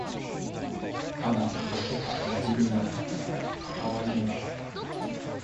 ただ、どこか馴染みがなかった。関わりもなかった。